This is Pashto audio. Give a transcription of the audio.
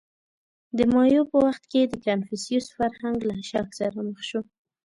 • د مایو په وخت کې د کنفوسیوس فرهنګ له شک سره مخ شو.